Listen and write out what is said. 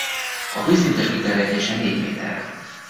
A vízszintes kiterjedése négy méter.